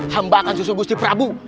hamba akan susung gusti prabu